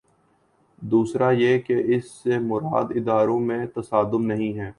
دوسرا یہ کہ اس سے مراد اداروں میں تصادم نہیں ہے۔